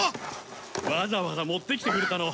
わざわざ持ってきてくれたの？